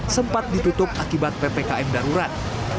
sempat ditutup akibat ppkm darurat